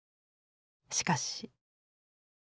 しかし。